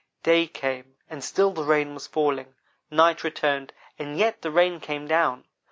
"Day came, and still the rain was falling. Night returned, and yet the rain came down.